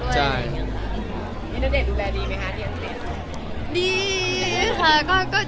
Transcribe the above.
จริงคือคือละครแต่เขายกด้วย